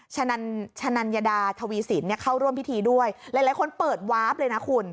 ชะนัญดาทวีสินเนี่ยเข้าร่วมพิธีด้วยหลายคนเปิดวาร์ฟเลยนะคุณ